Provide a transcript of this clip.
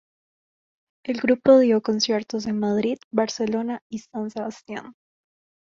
El grupo dio conciertos en Madrid, Barcelona y San Sebastián.